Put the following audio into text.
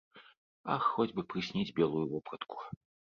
Ах хоць бы прысніць белую вопратку.